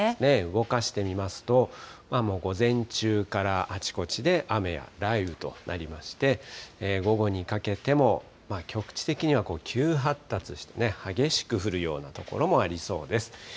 動かしてみますと、午前中からあちこちで雨や雷雨となりまして、午後にかけても局地的には急発達して、激しく降るような所もありそうです。